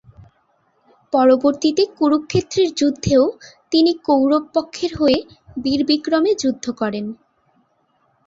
পরবর্তীতে কুরুক্ষেত্রের যুদ্ধেও তিনি কৌরব পক্ষের হয়ে বীর বিক্রমে যুদ্ধ করেন।